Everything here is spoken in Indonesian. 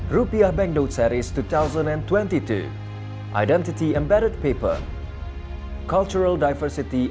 rupiah banknotes series dua ribu dua puluh dua